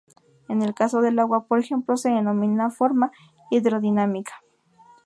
En el caso del agua, por ejemplo, se denomina forma hidrodinámica.